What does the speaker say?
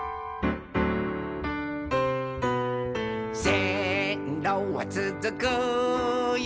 「せんろはつづくよ